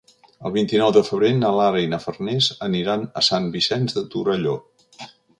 El vint-i-nou de febrer na Lara i na Farners aniran a Sant Vicenç de Torelló.